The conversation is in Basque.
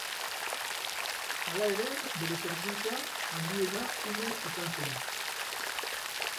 Hala ere bere sorkuntza handiena Ume izan zen.